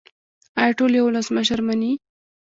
آیا ټول یو ولسمشر مني؟